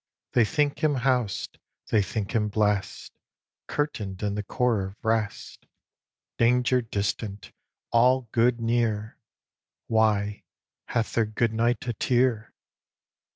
They think him hous'd, they think him blest, Curtain'd in the core of rest, Danger distant, all good near; Why hath their "Good night" a tear?